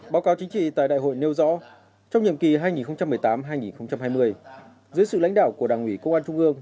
báo cáo chính trị tại đại hội nêu rõ trong nhiệm kỳ hai nghìn một mươi tám hai nghìn hai mươi dưới sự lãnh đạo của đảng ủy công an trung ương